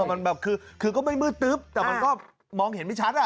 มันแบบคือก็ไม่มืดตึ๊บแต่มันก็มองเห็นไม่ชัดอ่ะ